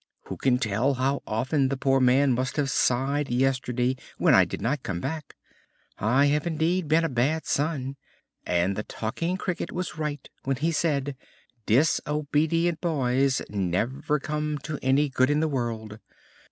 Who can tell how often the poor old man must have sighed yesterday when I did not come back! I have indeed been a bad son, and the Talking Cricket was right when he said: 'Disobedient boys never come to any good in the world.'